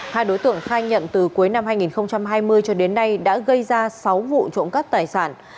hai đối tượng khai nhận từ cuối năm hai nghìn hai mươi cho đến nay đã gây ra sáu vụ trộm cắp tài sản